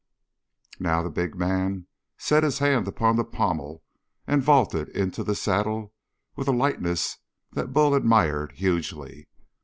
Now the big man set his hand on the pommel and vaulted into the saddle with a lightness that Bull admired hugely.